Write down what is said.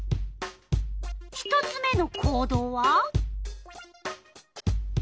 １つ目の行動は？